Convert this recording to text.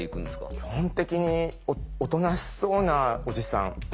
基本的におとなしそうなおじさん。